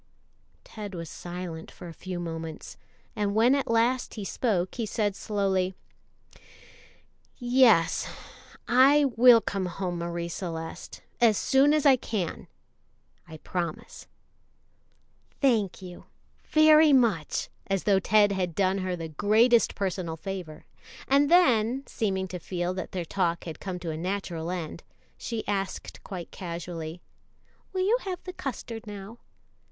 Ted was silent for a few moments, and when at last he spoke he said slowly, "Yes, I will come home, Marie Celeste, as soon as I can; I promise." [Illustration: 0183] "Thank you, very much," as though Ted had done her the greatest personal favor; and then, seeming to feel that their talk had come to a natural end, she asked quite casually, "Will you have the custard now?"